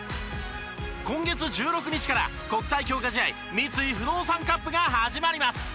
今月１６日から国際強化試合三井不動産カップが始まります。